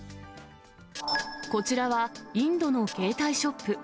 こちらはインドの携帯ショップ。